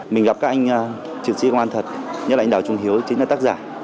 mình gặp các anh truyền sĩ quan thật nhất là anh đào trung hiếu chính là tác giả